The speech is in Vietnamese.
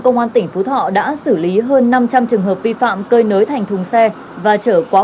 công an tỉnh phú thọ đã xử lý hơn năm trăm linh trường hợp vi phạm cơi nới thành thùng xe và chở quá